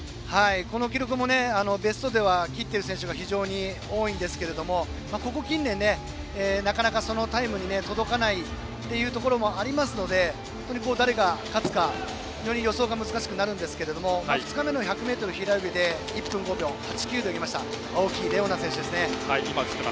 この記録もベストでは切っている選手が非常に多いんですけれどもここ近年、なかなかそのタイムに届かないところもありますので誰が勝つか非常に予想が難しくなるんですが２日目の１００ｍ平泳ぎで１分５秒８９で泳いだ青木玲緒樹選手ですね。